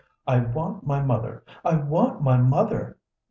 "I want my mother! I want my mother!"